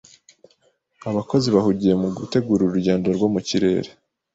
Abakozi bahugiye mu gutegura urugendo rwo mu kirere.